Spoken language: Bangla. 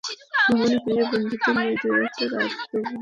ভ্রমণে বেড়িয়ে বন্ধুদের নিয়ে দু-একটা রাত তাঁবুতে থাকার লোভ হতেই পারে আপনার।